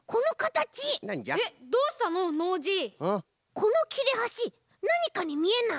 このきれはしなにかにみえない？